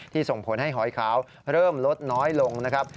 ส่งผลให้หอยขาวเริ่มลดน้อยลงนะครับ